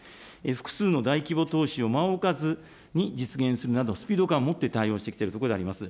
複数の大規模投資を間を置かず実現するなど、スピード感を持って対応してきているところであります。